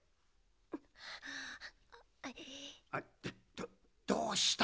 どどうした？